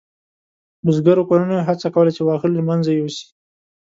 بزګرو کورنیو هڅه کوله چې واښه له منځه یوسي.